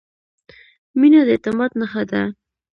• مینه د اعتماد نښه ده.